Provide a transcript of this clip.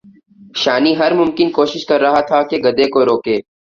شانی ہر ممکن کوشش کر رہا تھا کہ گدھے کو روکے